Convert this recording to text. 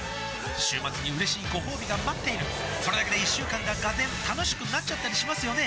週末にうれしいごほうびが待っているそれだけで一週間が俄然楽しくなっちゃったりしますよね